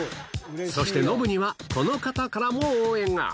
そしてノブには、この方からも応援が。